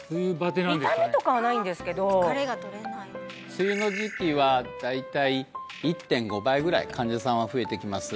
痛みとかはないんですけど梅雨の時期は大体１．５倍ぐらい患者さんは増えてきます